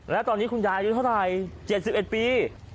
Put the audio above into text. แล้วตอนนี้คุณยายอายุเท่าไหร่๗๑ปี